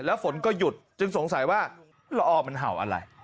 แล้วฝนก็หยุดจึงสงสัยว่าละออมันเห่าอะไร